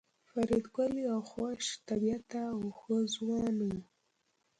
فریدګل یو خوش طبیعته او ښه ځوان و